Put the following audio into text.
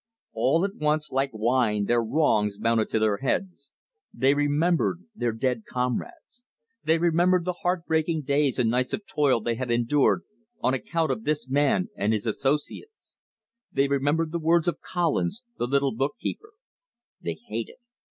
All at once like wine their wrongs mounted to their heads. They remembered their dead comrades. They remembered the heart breaking days and nights of toil they had endured on account of this man and his associates. They remembered the words of Collins, the little bookkeeper. They hated.